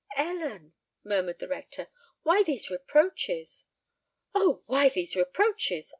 "Ellen," murmured the rector; "why these reproaches?" "Oh! why these reproaches?